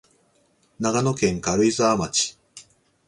長野県軽井沢町